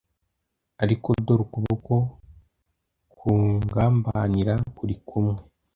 ariko dore ukuboko k ungambanira kuri kumwe